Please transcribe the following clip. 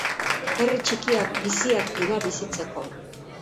Herri txikiak biziak dira bizitzeko.